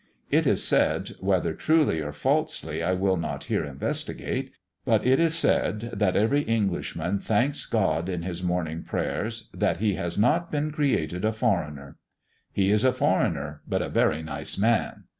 It is said, whether truly or falsely I will not here investigate; but it is said, that every Englishman thanks God in his morning's prayers, that he has not been created a foreigner. "He is a foreigner, but a very nice man!"